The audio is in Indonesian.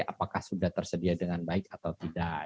apakah sudah tersedia dengan baik atau tidak